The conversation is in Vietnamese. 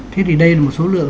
thế thì đây là một số lượng